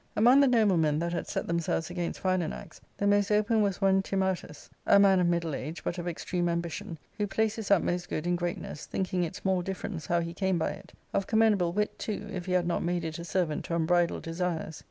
Among the noblemen that had set themselves against Philanax, the most open was one Timautus, a man of middle age, but of extreme ambition, who placed his utmost good in greatness, thinking it small difference how he came by it ; of commendable wit too, if he had not made it a servant to unbridled desires.